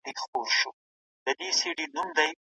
که کتابچه وي نو درس نه ورکیږي.